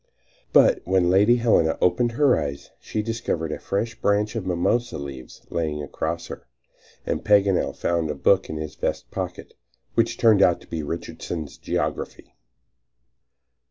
But when Lady Helena opened her eyes she discovered a fresh branch of mimosa leaves lying across her, and Paganel found a book in his vest pocket, which turned out to be "Richardson's Geography."